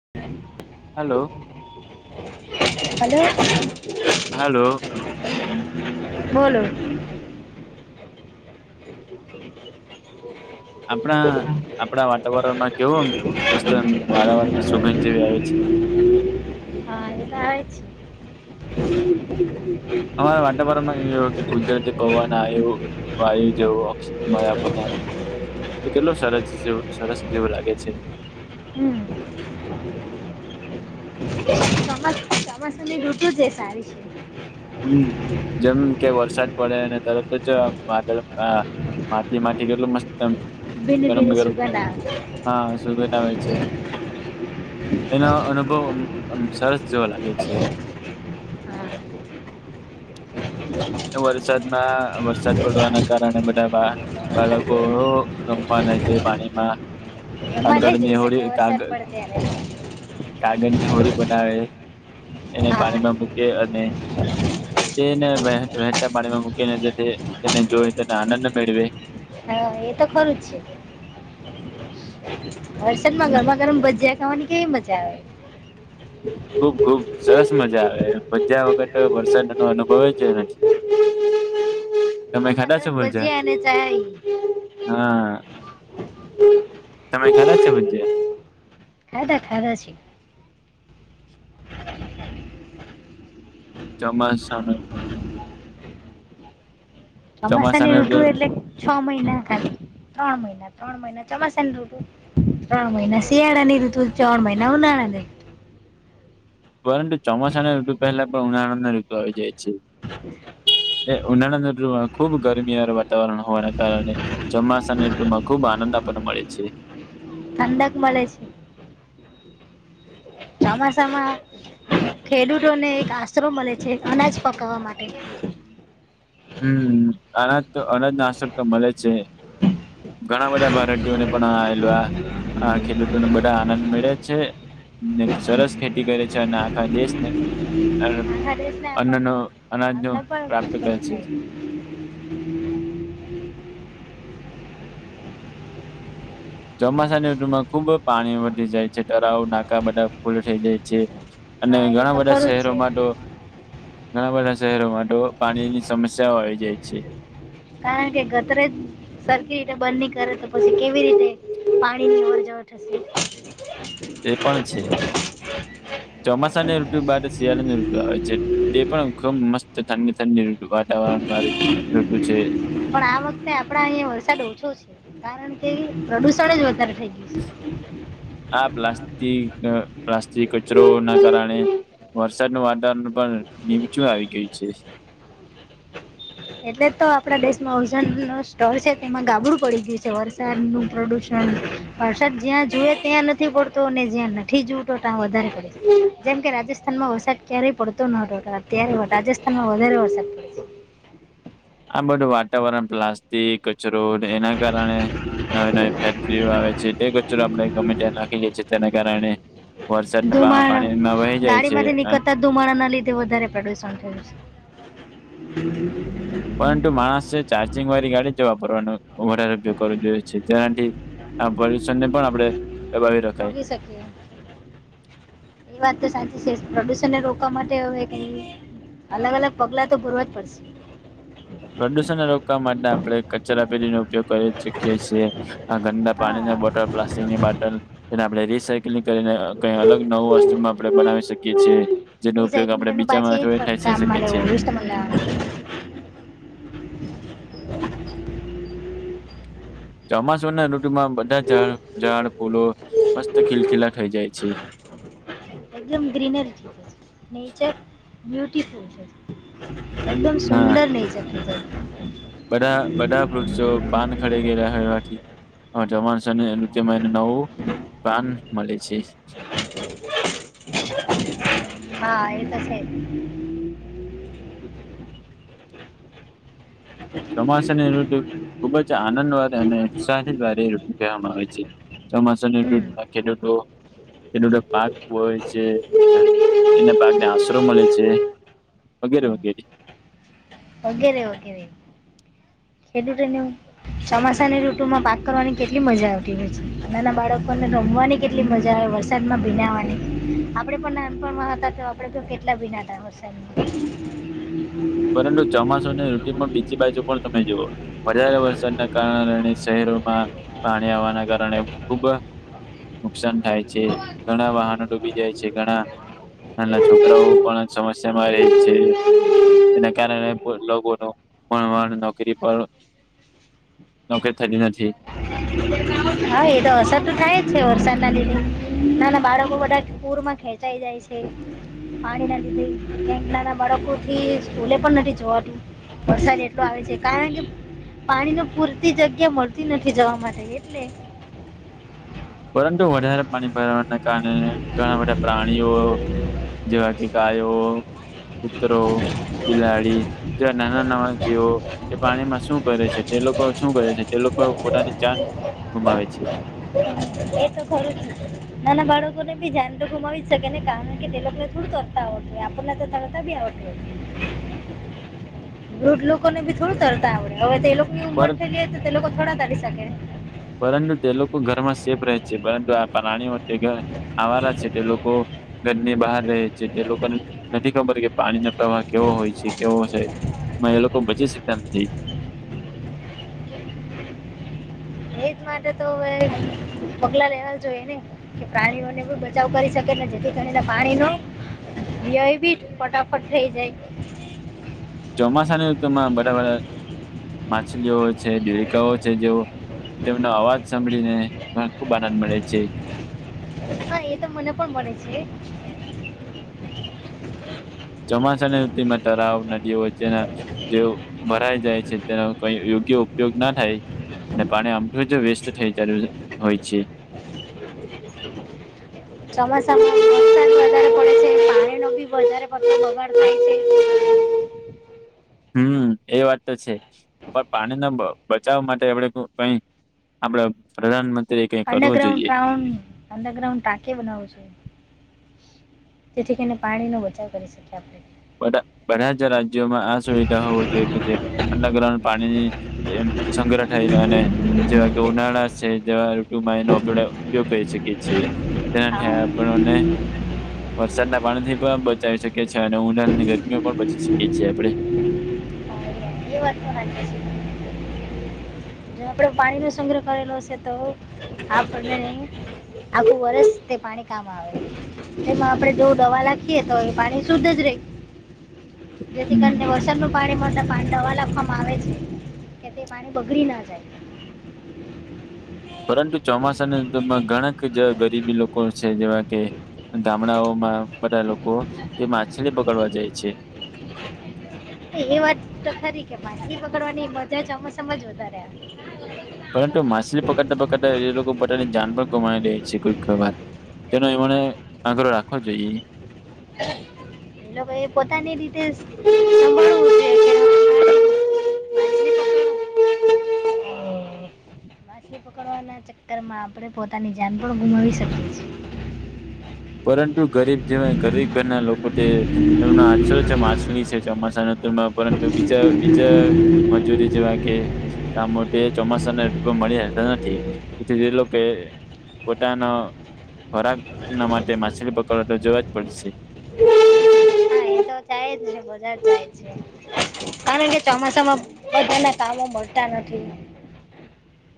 [inaudible] હાલો. Hello. Hello. બોલો. [inaudible] આપણા આપણા વાતાવરણમાં કેવો મસત વારંવાર સુગંધ જેવી આવે છે. હા એત આવે છે. અમારા વાટાવરામ જ એ કે કુદરતી પવન આવે એવુ વાયુ જેવો [unintelligible] ને કેટલું સરસ જેવુ સરસ જેવું લાગે છે. હમ. ચોમા ચોમાસા ની ઋતુ જ એ સારી છે. હમ જેમ કે વરસાદ પડે અને તરત જ વાદળ આ માટી માથી કેટલું મસ્ત ભીની ગરમ ભીની ગરમ સુગંધ આવે હા સુગંધ આવે છે. એનો અનુભવમ સરસ જેવો લાગે છે. હ વરસાદમાં વરસાદ પડવાના કારણે બધા બા બાળકો રમવા નય જાય પાણીમાં એમાં નય જઈ કાગળની હોડી શકે કાગ વરસાદ પડે ત્યારે કાગળની હોડી બનાવે એને હા પાણીમાં મૂકે અને તેને વહેતા પાણીમાં મૂકીને જે તેને જોઈ તેને આનંદ મેળવે હા એ તો ખરું જ છે વરસાદમાં ગરમા ગરમ બજાય જવાની કેવી મજા આવે ખુબ ખુબ સરસ મજા આવે બજા વખતે વરસાદ ન અનુભવે જ નથી તમે ગરમા ખાધા છો ગરમ મરજા ભજીયા હા હમ તમે ખરા છે પૂજ્ય ખાધા ખાધા છેી [inaudible] જમાાન ચોમાસા ની ઋતુ એટલે છ મહિના ખાલી ત્રણ મહિના ત્રણ મહિના ચોમાસા ને દોધું ત્રણ મહિના શિયાળાનીર તું્રણ મહિના હું નાણા દ પરંતુ ચમસા અનેને ઋતુ પહેલા પ ઉનાહળના ઋતુ આવીઈ જાય છે. હ એ ઉનાળ ખુબ ગરમી વાત વાતાવરણ હોવાના કારણે ચોમાસાની ઋતુમાં ખુબ આનંદ આપણને મળે છે. ઠંંદાક મળે છે. ચોમાસામાં ખેડૂતોને એક આશરો મળે છે અનાજ પકાવવા માટે હમ અનાજ તો અનાજ નાસો રૂપિયા મળે છે. ઘણા બધા વેરાટીઓને પણલ હ ખેડૂતોને બધા આનંદ મેળે છે. ને સરસ ખેતી કરે છે, અને આખા દેશને અન્નનો અનાજનો અંદ પ્રાપ્ત કરે છે. પણ ચોમાસાની ઋતુ માં ખુબ જ પાણી વધી જાય તરાવ નાકા બધા ફૂલ થઈ જાય છે, અને થાય હા એ ઘણા તો બધા ખરું જ શહેરોમાં તો ઘણા બધા શહેરોમાં તો પાણીની સમસ્યાઓ આવી જાય છે. છે કારણ કે ગતરેજ સરખી રીતે બંધની કરે તો પછી કેવી રીતે પાણીની અરજવ [inaudible] એ પણ છે, ચોમાસાની રોટિ બાર શિયાળાની રોટ આવે છે. તે પણ ખૂબ મસ્ત ઠંડી ઠંડીઋ વાતાવરણ વાળી ઋતુ છે. પણ આ વખતે આપડા અહિયાં વરસાદ ઓછો છે, કારણ કે પ્રદુષણ જ વધારે થઈ ગાય આ પ્લાસ્ટિક પ્લાસ્ટિક કચરો હમ ના કારણે હમ હ વરસાદનું વાતાવરણ પણ નીમચું આવી ગયું છે. એટલે તો આપડા દેશમાં ઓજન ન સ્તર છે, તેમાં ગાબડું પડી ગયું છે, વરસાદનું પ્રદુષણ વરસાદ જ્યાં જુએ ત્યાં નથી પડતો અને જ્યાં નથી જોવતો ત્યાં વધારે પડે જેમ કે રાજસ્થાનમાં વરસાદ ક્યારેય પડતો ન્યારે રાજસ્થાનમાં વધારે વરસાદ પડતો આ બધું વાતાવરણ પ્લાસ્ટિક કચરો એના કારણે નવી નવી ફેક્ટરીઓ આવે છેટ કચ આપણે ગમે નાખી જાય છેી તેના કારણે વરસાદ છે પાણીમાં વહી જાય છે. ધુમાડા ના લીધે વધારે પ્રદુષણ થયું છે. પરંતુ માણસે ચાર્જિંગ વાળી ગાડી જવા પવાનો વધારેયોગ કરવો જોઈએ છે, જેનાથી આ પરલ્યુષણ ને પણ આપડે રોગી શકીએ એ વાત તો સાચી છે, પ્રદૂષણને રોકવા માટે હવે કે અલગ અલગ પગલા તો ભરવા જ પડશે પ્રદુષણ ના રોકવા માટે આપણે કચરા પેટીનો ઉપયોગ કરી ચૂકીએ છીએ. ગંદા પાણીની હા બોટલ પ્લાસ્ટિકની બોટલ જેને આપડે રિસાઈકલ કરીને કઈ અલગ નવું વસ્તુમાં આપડે બનાવી શકીએ છીએ. જેનો ઉપયોગ રિસાયકલિંગ આપડે બીજામાં [unintelligible] વેઠા થઈ શકે છે ના. [inaudible] ચોમાસા ના ૠતુમાં બધા ઝાડ ફૂલો મસ્ત ખીલખીલા થઇ જાય છે. એકદમ ગ્રીનરી નેચર બ્યુટીફુલ છે. એકદમ હા સુંદર નેચર. બધા બધા વૃક્ષો પાન ખરી ગેયા હૈ. જવાનું છે એત્યમાં એને નવું પાન મળે છે. હા એ તસ [unintelligible] ચોમાસાની ઋતુ ખુબ જ આનંદવાળ અને ઉત્સાહિત વાળી ઋત કહેવામાં આવે છે. ચોમાસા ને [unintelligible] હમ દૂટખે દૂટો એનું પાક હોય છે એના પાક ને આશરો મળે છે. વગેરે વગેરે. ઓગેરે ઓગેરે. કેટી્રી નું [unintelligible] ચોમાસા ની ઋતુમાં પાક કરવાની કેટલી મજા આવતી હોય છે નાના બાળકો ને રમવાની કેટલી કેટલી મજા આવે વરસાદમાં ભીનાવાની આપડે પણ નાનપણમાં હતા તો આપડે તો કેટલા ભીનાતા વરસાદ [inaudible] પરંતુ ચોમાસું ને ઋતુ પણ બીજી બાજુ પણ તમે જુઓ. વધારે વરસાદના કારણે શહેરોમાં પાણી આવવાના કારણે ખુબ. નુકસાન થાય છે ઘણા વાહનો ડૂબી જાય છે ઘણા. નાના છોકરાઓ પણ સમસ્યામાં રે છે. હુ. [inaudible] એના કારણે લોકોનું પણણ નોકરી પર નોકરી થતી નથી. હા એ તો અસર તો થાય જ છે વરસાદ ના લીધે. નાના બાળકો બધા પૂરમાં ખેંચાઈ જાય છે. પાણી નથી થય ક ના ના બાળકો થી સ્કૂલે પણ નથી જોવાતું. વરસાદ એટલો આવે છે કારણ કે પાણી ન પૂરતી જગ્યા મળ તી નથી જવા માટે એટલે. પરંતુ વધારે પાણી ભરાવાના કારણે ઘણા બધા પ્રાણીઓ, જેવા કે ગાયો, કૂતરો, બિલાડી, જો નાના નવા જીવો. તે પાણીમાં શું કરે છે તે લોકો શું કરે છે તે લોકો પોતાની જાન ગુમાવે છે. [inaudible] એ તો ખરું નાના બાળકો ને બી ધ્યાન તો ગુમાવી શકે ને કારણ કે તે લોકોને થોડુ તર તરતા આવડતુ આપને વૃદ્ધ લોકોને બી થોડું તરતા આવડે હવે તો એ લોકો ઉંમર પર થઈલી જય તો તે લોકો થોડા તરી શકે. પરંતુ તે લોકો ઘરમાં સેફ રહે છે પરંતુ આ પ્રાણી આવારા છે તે લોકો ઘરની બહાર રહે છે જે લોકોને ખબર કે પાણીનો પ્રવાહ કેવો હોય છે કેવો છેમાં એ લોકો બચી શકતા નથી. એજ માટે તો હવે પગલા લેવા જોઈએ ને. કે પ્રાણીઓને પણ બચાવ કરી શકેને જેથી કરીને પાણીનો. ય ભી ફટાફટ થઈ જાય. ચોમાસાની ઋુતૂમાં બરાા બા. માછલીઓ છે દેડકાંઓ છે જેવો તેમનો અવાજ સાંભળીને. હા ખુબ આનંદ મળે છે. હા એ તો મને પણ મળનેે છે. ચોમાસાનીઋતિમાં તરાવ નદીઓ વય્ છેના જેવ. ભરાઈ જાય છે તેનો કઈ યોગ્ય ઉપયોગ ના થાય. ને પાણી આમઠું જ વેસ્ટ થઈ ત હોય છે. [unintelligible] [unintelligible] ચોમાસાસા માં નોસાાન વધારે પડે છે પાણી ન બી વધારે પ વગાડ થાય છે. હમ એ વાત તો છે પણ પાણીના બચાવ માટે આપણે કઈ. આપડ પ્રધાનમંત્રી. એ કઈ કરવું અંડરગ્રાઉન્ડ જોઈએ રાઉન્ અંરગ્રાઉન્ડ ટાકે બનાવું છ. જેથી કરીને પાણીનો બચાવ કરી શકીએ આપણે. બ બધા જ રાજ્યોમાં આ સુવિધા હોવું જોઈએ કે જે. અન્ન ગ્રહ પાણીની સંગ્રહાય અને જેવા કે ઉનાળા. છે જર. ુ માય નો આપણે ઉપયોગ કરી શકી છીએ તેના હા આપણને. વરસાદના પાણી થી પણ બચાવી શકીએ છીએ અને ઊંડાળની ગરમીઓ પણ બચી શકીએ છીએ આપણે. હ એ વાત શ. જો આપડે પાણી નો સંગ્રહ કરેલો હશે તો આપ નહી. આખું વરષ તે પાણી કામ આવે. એમાં આપડે જો દવા લખીએ તો એ પાણી શુદ્ધ જ રહી. જેથી હમ કરીને વરસાદ ન. પાણી મળતા પા દવા લખવામાં આવે છે કે તે પાણી બગડી ના જાય. [unintelligible] પરંતુ ચોમાસાનામાં ઘણાક જ ગરીબી લોકો. લોકો છે જેવા કે ગામડાઓમાં બધા લોકો એ માછલી બગડવા જાય છે. એ વાત તો ખરી કે માછલી પકડવાની મધા અમસમજ વધારે. પરંતુ માછલી પકડતા પકડતા એ લોકો પોતાની જાન પણ ગુમાવી લે છે કોઈ વાર. તેનો એમને આગ્ર રાખવો જોઈએ. એ એ પોતાની રીતે સાભળવું છે કે. માછલી [unintelligible] પકડ- માછલી પકડવાના ચક્કર માં આપણે પોતાની જાન પણ ગુમાવી શકીએ છએ. પરંતુ ગરીબ જેવાય ગરીબ ઘરના લોકો. પોતે એમનો આશ્ર છે માછલી છે ચોમાસા નરમાં પરંતુ બીા બીજા. મજૂરી જેવા કે. આ માટે ચોમાસાને ર મળી નથી એ લોકો. પોતાનો ખોરાક ના માટે માછલી પકડવા તો જોવા જ પડેશે. [unintelligible] હા એ તો ચાય જ બધા જ જાય છે. કારણ કે ચોમાસામાં બધાના કામો મળતા નથી.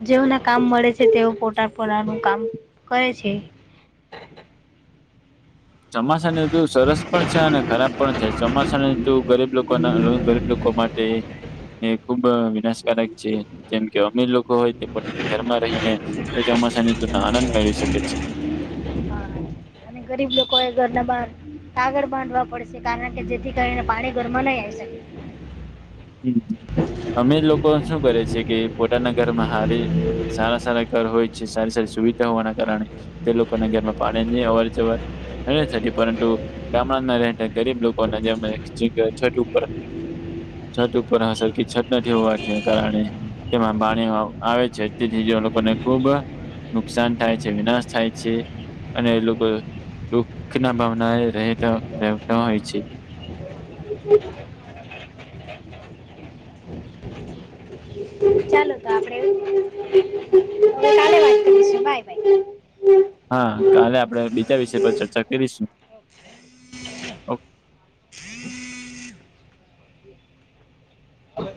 જેઓના કામ મળે છે તેઓ પોટાર પટ નું કામ કરે છે. [unintelligible] ચોમાસા તુ સરસ પણ છે અને ખરાબ પણ છે ચોમાસાને તું ગરીબ લોકો ના ગરીબ લોકો. લોકો માટે એ ખુબ વિનાશકારક છે જેમ કે અમીર લોકો હોય. ઘરમાં રહીને એ ચોમાસાની તનો આનંદ મેળવી શકે છે. અને ગરીબ લોકો એ ઘર ના બાર. આગળ બાંધવા પડશે કારણ કે જેથી કરીને પાણી ગરમાં નહી આવી શકે. હમ અમે લોકો શું કરે છે કે. પોતાના ઘરમાં હારે સારા સારા ઘર હોય છે સારી સારી સુવિધા. હોવાના કારણે તે લોકોને ઘરમાં પાણી નહી અવર જવર. પરંતુ ગામડા ના રહેતા ગરીબ લોકો ના જેમ છો ઉપર છઠ ઉપર હ સરરકી છઠ ના જેવુંના કારણે તેમાં પાણી આવે છે તેથી લોકોને ખુબ નુકસાન થાય છે, વિનાશ થાય છે. અને એ લોકો દુખ ના ભાવના એ રહેતા રહેતા હોય છે. [unintelligible] [unintelligible] ચાલો તો, આપડે હ કાલે વાત કરીશું. બાય. હા, કાલે આપડે બીજા વિષય પર ચર્ચા કરીશું. હમ, હમ. હ. [unintelligible]